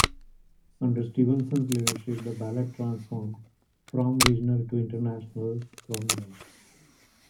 Under Stevenson's leadership, the ballet transformed "from regional to international prominence".